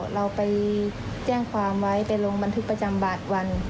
เราไปแจ้งความไว้ไปลงบันทึกประจำบาทวัน